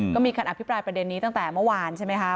ก็มีการอภิปรายประเด็นนี้ตั้งแต่เมื่อวานใช่ไหมคะ